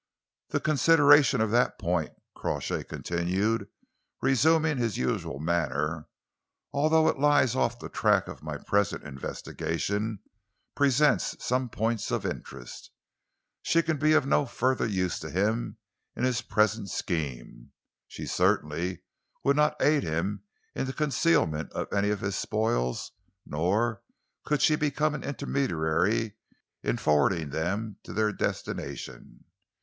"The consideration of that point," Crawshay continued, resuming his usual manner, "although it lies off the track of my present investigation, presents some points of interest. She can be of no further use to him in his present scheme. She certainly would not aid him in the concealment of any of his spoils, nor could she become an intermediary in forwarding them to their destination.